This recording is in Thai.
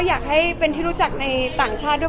อยากให้เป็นที่รู้จักในต่างชาติด้วย